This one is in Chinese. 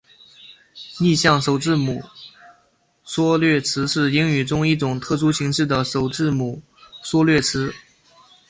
逆向首字母缩略词是英语中一种特殊形式的首字母缩略词。